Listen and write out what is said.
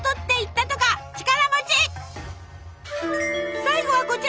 最後はこちら！